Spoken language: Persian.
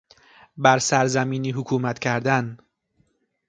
بر سرزمینی حکومت کردن